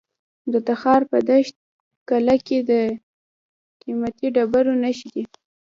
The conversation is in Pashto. د تخار په دشت قلعه کې د قیمتي ډبرو نښې دي.